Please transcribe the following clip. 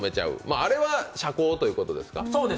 あれは遮光ということですか。